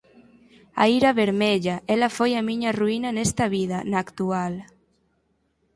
A ira vermella! Ela foi a miña ruína nesta vida, na actual.